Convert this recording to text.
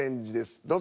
どうぞ。